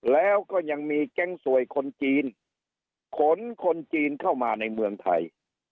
แล้วก็ยังมีแก๊งสวยคนจีนขนคนจีนเข้ามาในเมืองไทย